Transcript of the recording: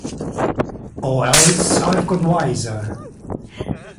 Or else I’ve got wiser.